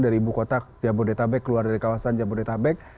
dari ibu kota jabodetabek keluar dari kawasan jabodetabek